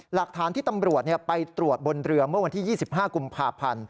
หลักฐานที่ตำรวจไปตรวจบนเรือเมื่อวันที่๒๕กุมภาพันธ์